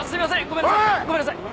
ごめんなさい。